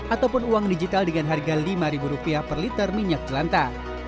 ataupun uang digital dengan harga lima ribu rupiah per liter minyak celanta